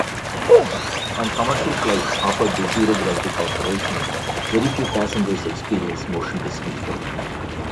On commercial flights offered by Zero Gravity Corporation, very few passengers experience motion discomfort.